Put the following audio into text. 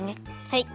はい。